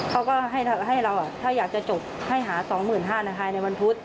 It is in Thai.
เขาก็ให้เราถ้าอยากจะจบให้หา๒๕๐๐บาทภายในวันพุธ